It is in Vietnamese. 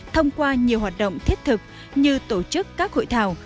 thông qua nhiều hoạt động thiết thực như tổ chức các hội thảo